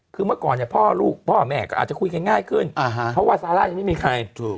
คือเมื่อก่อนเนี่ยพ่อลูกพ่อแม่ก็อาจจะคุยกันง่ายขึ้นเพราะว่าซาร่ายังไม่มีใครถูก